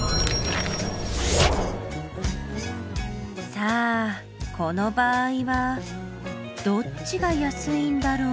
さあこの場合はどっちが安いんだろう？